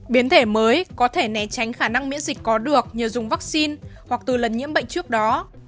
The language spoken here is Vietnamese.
biến thể mới có thể né tránh khả năng miễn dịch có được nhờ dùng vaccine hoặc từ lần nhiễm bệnh trước đó